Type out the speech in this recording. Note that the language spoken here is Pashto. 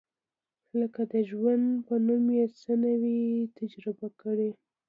لکه د ژوند په نوم یې څه نه وي تجربه کړي.